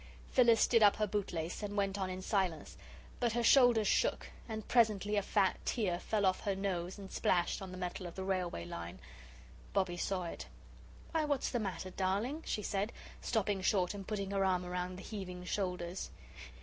Phyllis did up her bootlace and went on in silence, but her shoulders shook, and presently a fat tear fell off her nose and splashed on the metal of the railway line. Bobbie saw it. "Why, what's the matter, darling?" she said, stopping short and putting her arm round the heaving shoulders.